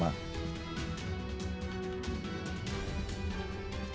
gunung menggunakan gunungan